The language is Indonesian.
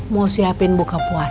mau siapin buka puasa